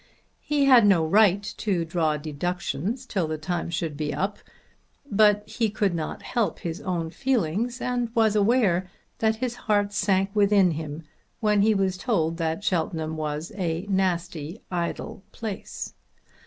He had no right to draw deductions till the time should be up. But he could not help his own feelings and was aware that his heart sank within him when he was told that Cheltenham was a nasty idle place.